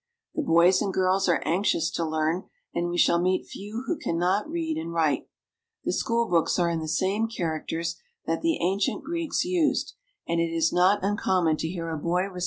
The boys and girls are anxious to learn, and we shall meet few who can not read and write. The school books are in the same characters that the ancient Greeks used, and it is not uncommon to hear a boy recite CARP.